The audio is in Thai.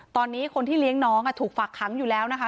ตอนนี้คนที่เลี้ยงน้องถูกฝากค้างอยู่แล้วนะคะ